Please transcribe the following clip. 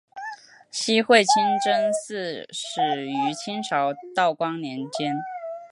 西会清真寺始建于清朝道光年间。